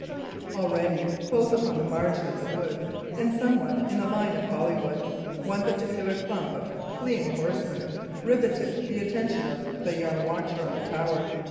Already close upon the margin of the woods, and somewhat in the line of Holywood, one particular clump of fleeing horsemen riveted the attention of the young watcher on the tower.